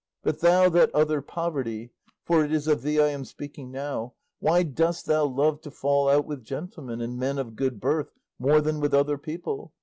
But thou, that other poverty for it is of thee I am speaking now why dost thou love to fall out with gentlemen and men of good birth more than with other people?